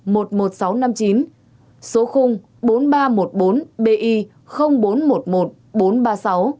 một xe máy nhắn hiệu honda way s màu đỏ xám đen biển kiểm soát bốn nghìn ba trăm một mươi bốn bi bốn trăm một mươi một nghìn bốn trăm ba mươi sáu